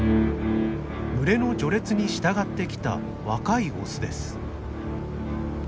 群れの序列に従ってきた若いオスです。